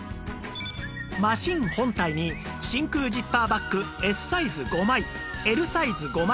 マシン本体に真空ジッパーバッグ Ｓ サイズ５枚 Ｌ サイズ５枚